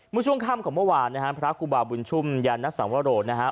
ช่วงค่ำของเมื่อวานนะฮะพระครูบาบุญชุ่มยานสังวโรนะฮะ